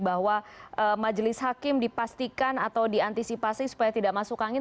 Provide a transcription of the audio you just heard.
bahwa majelis hakim dipastikan atau diantisipasi supaya tidak masuk angin